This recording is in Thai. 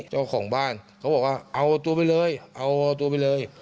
เจ้าของบ้านเขาบอกว่าเอาตัวไปเลยเอาตัวไปเลย